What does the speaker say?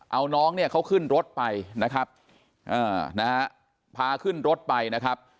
เอาน้องเนี่ยเขาขึ้นรถไปนะครับพาขึ้นรถไปนะครับ